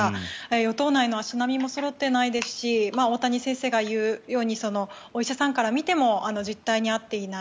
与党内の足並みもそろっていないですし大谷先生が言うようにお医者さんから見ても実態に合っていない。